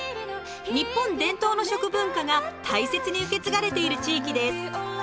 日本伝統の食文化が大切に受け継がれている地域です。